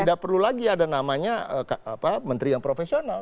tidak perlu lagi ada namanya menteri yang profesional